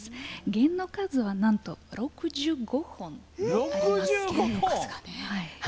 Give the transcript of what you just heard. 弦の数は、なんと６５本あります。